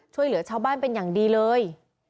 ช่วยเหลือชาวบ้านเป็นอย่างดีเลย